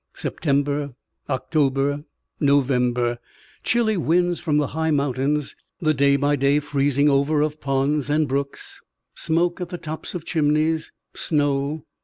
September, October, November. Chilly winds from the high mountains. The day by day freezing over of ponds and brooks. Smoke at the tops of chimneys. Snow.